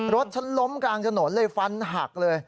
รถฉันล้มกลางถนนเลยฟันหักเลย